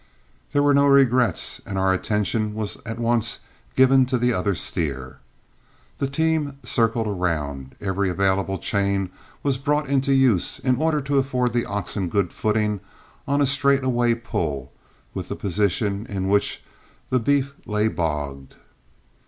There were no regrets, and our attention was at once given to the other steer. The team circled around, every available chain was brought into use, in order to afford the oxen good footing on a straight away pull with the position in which the beef lay bogged.